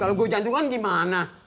kalau gue jantungan gimana